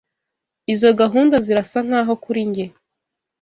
Izo gahunda zirasa nkaho kuri njye.